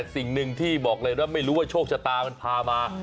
สิ่งหนึ่งที่บอกเลยว่าไม่รู้ว่าโชคชะตามันพามา